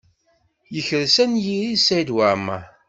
Yekres anyir-is Saɛid Waɛmaṛ.